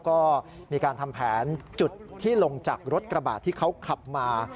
ก็มีการทำแผนจุดที่ลงจากรถกระบาดที่เขาขับมา